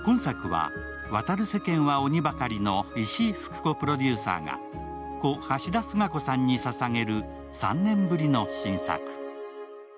今作は「渡る世間は鬼ばかり」の石井ふく子プロデューサーが故・橋田壽賀子さんにささげる３年ぶりの新作。